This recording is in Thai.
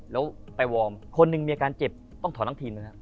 แล้วไปวอร์มคนหนึ่งมีอาการเจ็บต้องถอนทั้งทีมนะครับ